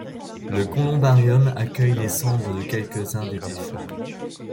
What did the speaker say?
Le colombarium accueille les cendres de quelques-uns des défunts.